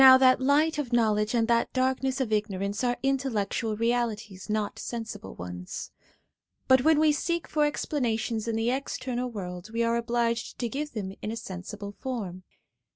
Now, that light of knowledge, and that darkness of ignorance, are intel lectual realities, not sensible ones ; but when we seek for explanations in the external world, we are obliged to give them a sensible form.